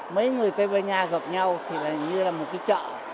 mấy người tây ban nha gặp nhau thì như là một cái chợ